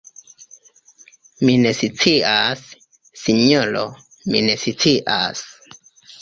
Mi ne scias, sinjoro, mi ne scias!